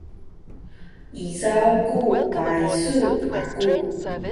izaw ku paysu aku.